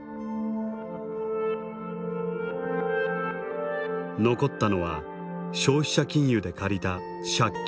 残ったのは消費者金融で借りた借金だけだ。